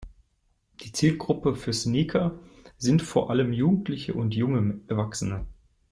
Die Zielgruppe für "Sneaker" sind vor allem Jugendliche und junge Erwachsene.